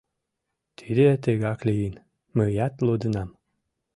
Тиде тыгак лийын: мыят лудынам.